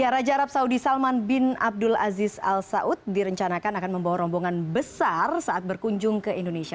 raja arab saudi salman bin abdul aziz al saud direncanakan akan membawa rombongan besar saat berkunjung ke indonesia